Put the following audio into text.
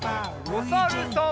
おさるさん。